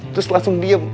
terus langsung diem